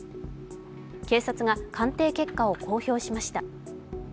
警察が、鑑定結果を公表しました。